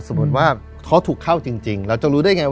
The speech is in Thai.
สมมุติว่าเขาถูกเข้าจริงหรือเรากกวนยังยังบอก